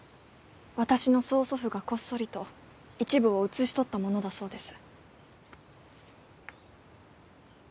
私の曽祖父がこっそりと一部を写し取ったものだそうです。